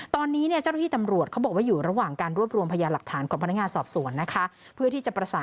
ตอนนี้เนี่ยเจ้าหน้าที่ตำรวจเขาบอกว่าอยู่ระหว่างการรวบรวมพยาหลักฐานของพนักงานสอบสวนนะคะ